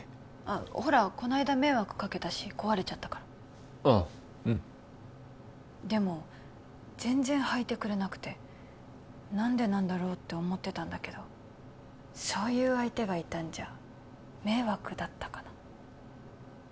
あほらこの間迷惑かけたし壊れちゃったからああうんでも全然履いてくれなくて何でなんだろうって思ってたんだけどそういう相手がいたんじゃ迷惑だったかな